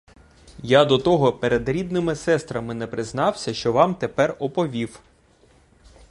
Я до того перед рідними сестрами не признався, що вам тепер оповів.